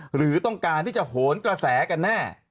หรือต้องการที่จะโหนกระแสกันแน่